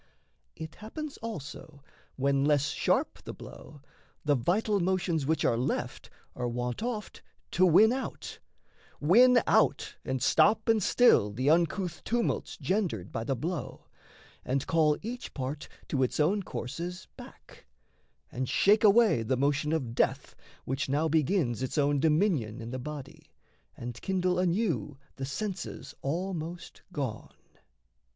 It happens also, when less sharp the blow, The vital motions which are left are wont Oft to win out win out, and stop and still The uncouth tumults gendered by the blow, And call each part to its own courses back, And shake away the motion of death which now Begins its own dominion in the body, And kindle anew the senses almost gone.